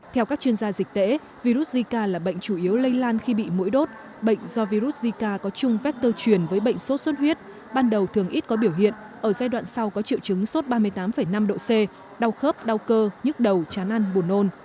theo các chuyên gia dịch tễ virus zika là bệnh chủ yếu lây lan khi bị mũi đốt bệnh do virus zika có chung vector truyền với bệnh sốt xuất huyết ban đầu thường ít có biểu hiện ở giai đoạn sau có triệu chứng sốt ba mươi tám năm độ c đau khớp đau cơ nhức đầu chán ăn buồn nôn